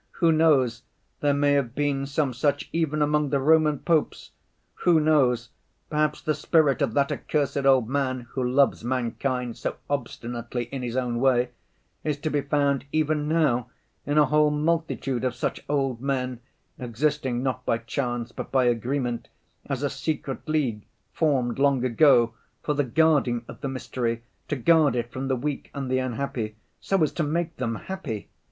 Who knows, there may have been some such even among the Roman Popes. Who knows, perhaps the spirit of that accursed old man who loves mankind so obstinately in his own way, is to be found even now in a whole multitude of such old men, existing not by chance but by agreement, as a secret league formed long ago for the guarding of the mystery, to guard it from the weak and the unhappy, so as to make them happy.